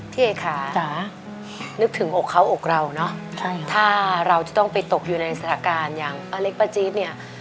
พี่เอ๊คานึกถึงอกเขาอกเราเนอะถ้าเราจะต้องไปตกอยู่ในศาลการณ์อย่างอเล็กประจิตเนี่ย